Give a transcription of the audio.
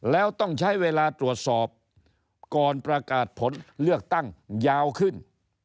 แล้วต้องใช้เวลาตรวจสอบก่อนประกาศผลเลือกตั้งยาวขึ้น